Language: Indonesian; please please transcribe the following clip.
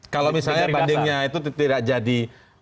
kalau misalnya bandingnya itu tidak jadi